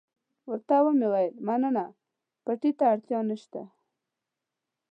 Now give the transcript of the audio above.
ورته ومې ویل مننه، پېټي ته اړتیا نشته.